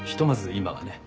今はね。